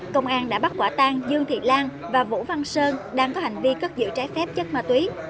công an đã bắt quả tang dương thị lan và vũ văn sơn đang có hành vi cất giữ trái phép chất ma túy